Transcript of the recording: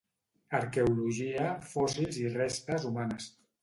Arqueologia, fòssils i restes humanes.